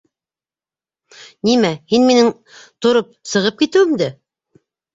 Нимә, һин минең тороп сығып китеүемде?..